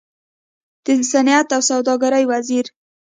د صنعت او سوداګرۍ وزير